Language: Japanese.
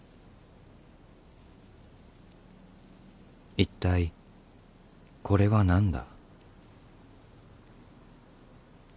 一体これは何だ。